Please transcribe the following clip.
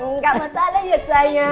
nggak masalah ya sayang